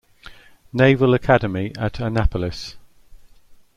Naval Academy at Annapolis.